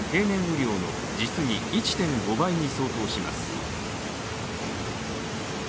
雨量の実に１．５倍に相当します。